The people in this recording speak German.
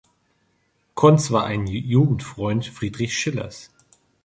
Conz war ein Jugendfreund Friedrich Schillers.